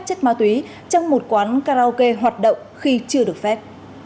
chất ma túy trong một quán karaoke hoạt động khi chưa được phép